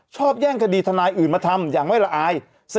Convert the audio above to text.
แย่งคดีทนายอื่นมาทำอย่างไม่ละอาย